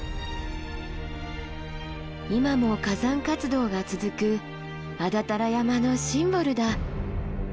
今も火山活動が続く安達太良山のシンボルだ。